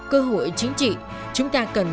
cơ hội chính trị chúng ta cần